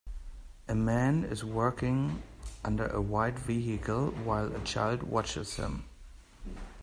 A man is working under a white vehicle while a child watches him.